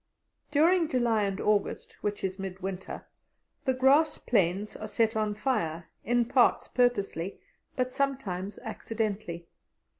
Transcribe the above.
During July and August, which is mid winter, the grass plains are set on fire, in parts purposely, but sometimes accidentally.